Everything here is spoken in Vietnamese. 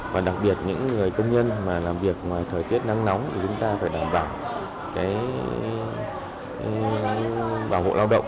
và đặc biệt những người công nhân mà làm việc ngoài thời tiết nắng nóng thì chúng ta phải đảm bảo bảo hộ lao động